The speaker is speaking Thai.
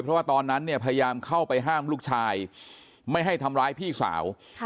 เพราะว่าตอนนั้นเนี่ยพยายามเข้าไปห้ามลูกชายไม่ให้ทำร้ายพี่สาว